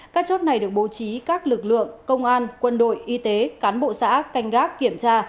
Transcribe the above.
các chốt này được bố trí các lực lượng công an quân đội y tế cán bộ xã canh gác kiểm tra